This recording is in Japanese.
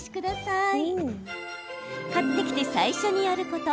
買ってきて最初にやること。